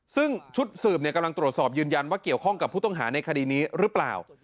ซึ่งชุดสืบกำลังตรวจสอบยืนยันว่าเกี่ยวข้องกับผู้ต้องหาในคดีนี้หรือเปล่า